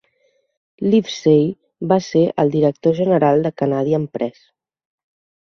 Livesay va ser el director general de Canadian Press.